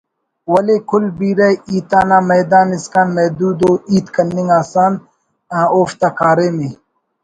ولے کل بیرہ ہیت انا میدان اسکان محدود ءُ ہیت کننگ اسکان اوفتا کاریم ءِ